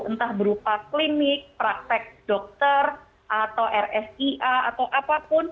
entah berupa klinik praktek dokter atau rsia atau apapun